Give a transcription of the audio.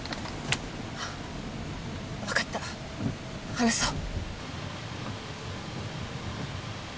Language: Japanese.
はっ分かった話そう。